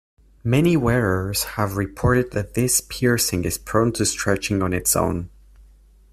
Many wearers have reported that this piercing is prone to stretching on its own.